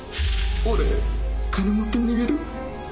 俺金持って逃げる。